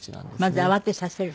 まず慌てさせる？